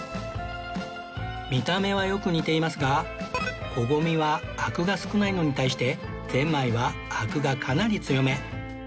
見た目はよく似ていますがコゴミはアクが少ないのに対してゼンマイはアクがかなり強め